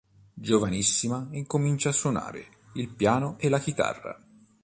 Giovanissima incomincia a suonare il piano e la chitarra.